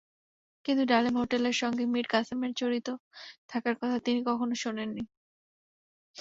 কিন্তু ডালিম হোটেলের সঙ্গে মীর কাসেমের জড়িত থাকার কথা তিনি কখনো শোনেননি।